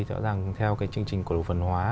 rõ ràng theo cái chương trình cổ đồ phần hóa